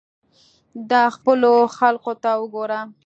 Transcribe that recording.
دا خپلو خلقو ته وګوره.